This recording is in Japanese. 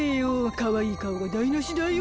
かわいいかおがだいなしだよ。